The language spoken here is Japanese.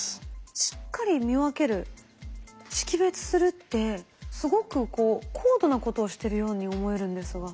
しっかり見分ける識別するってすごくこう高度なことをしてるように思えるんですが。